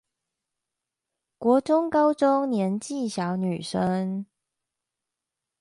國中高中年紀小女生